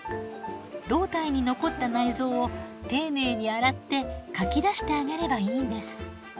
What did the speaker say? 胴体に残った内臓を丁寧に洗ってかき出してあげればいいんです。